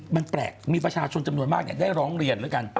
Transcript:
มันแปลกมีประชาชนจำนวนมากได้ร้องเรียนแล้วกัน